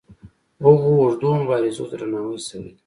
هغو اوږدو مبارزو ته درناوی شوی دی.